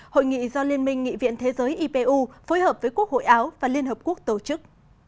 hội nghị do liên minh nghị viện thế giới ipu phối hợp với quốc hội áo và liên hợp quốc tổ chức